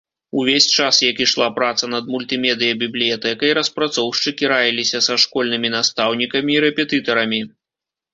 Увесь час, як ішла праца над мультымедыя-бібліятэкай, распрацоўшчыкі раіліся са школьнымі настаўнікамі і рэпетытарамі.